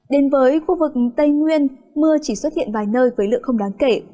đến với khu vực tây nguyên mưa chỉ xuất hiện vài nơi với lượng không đáng kể